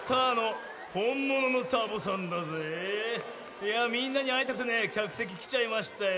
いやみんなにあいたくてねきゃくせききちゃいましたよ。